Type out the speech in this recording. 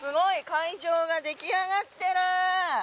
会場が出来上がってる！